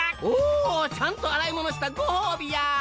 おおちゃんとあらいものしたごほうびや！